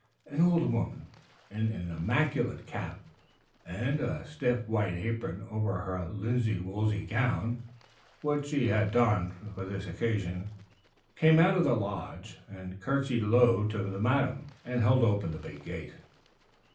An old woman, in an immaculate cap and a stiff white apron over her best linsey woolsey gown which she had donned for the occasion, came out of the lodge and courtesied low to the madam, and held open the big gate.